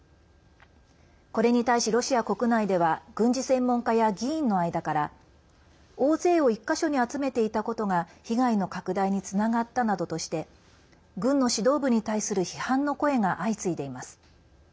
これに対し、ロシア国内では軍事専門家や議員の間から大勢を１か所に集めていたことが被害の拡大につながったなどとして軍の指導部に対する批判の声が相次いでいます。